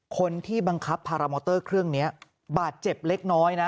คนที่บังคับพารามอเตอร์เครื่องนี้บาดเจ็บเล็กน้อยนะ